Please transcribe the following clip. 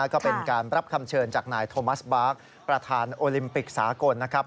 ก็เป็นการรับคำเชิญจากนายโทมัสบาร์กประธานโอลิมปิกสากลนะครับ